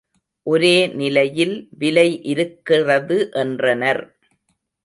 ஒரே நிலையில் விலை இருக்கிறது என்றனர்.